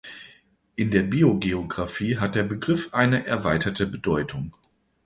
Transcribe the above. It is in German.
In der Biogeographie hat der Begriff eine erweiterte Bedeutung.